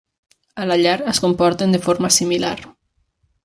A la llar, es comporten de forma similar.